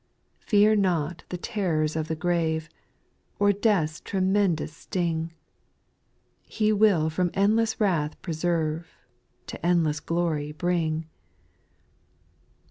6. Fear not the terrors of the grave, Or death's tremendous sting ; He will from endless wrath preserve. To endless glory bring. G.